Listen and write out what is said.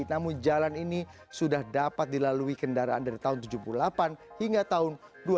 namun jalan ini sudah dapat dilalui kendaraan dari tahun seribu sembilan ratus tujuh puluh delapan hingga tahun dua ribu